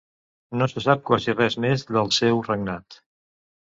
No se sap quasi res més del seu regnat.